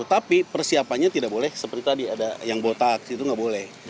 tapi persiapannya tidak boleh seperti tadi yang botak itu tidak boleh